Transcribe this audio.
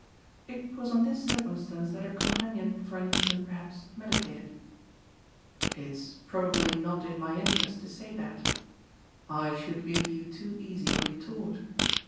It was on this circumstance that her companion for an instant perhaps meditated. "It's probably not in my interest to say that. I should give you too easy a retort.